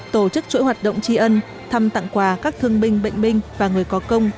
tổ chức chuỗi hoạt động tri ân thăm tặng quà các thương binh bệnh binh và người có công